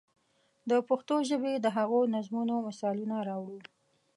د پښتو ژبې د هغو نظمونو مثالونه راوړو.